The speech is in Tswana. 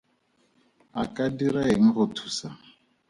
A ka dira eng go thusa?